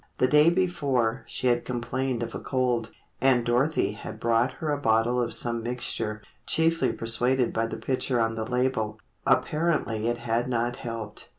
The day before, she had complained of a cold, and Dorothy had bought her a bottle of some mixture, chiefly persuaded by the picture on the label. Apparently it had not helped.